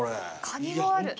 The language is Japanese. カニもある。